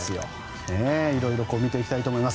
色々見ていきたいと思います。